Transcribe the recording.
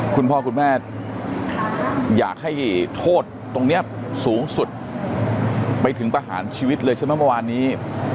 คุณพ่อคุณแม่อยากให้โทษตรงนี้สูงสุดไปถึงประหารชีวิตเลยใช่ไหมเมื่อวานนี้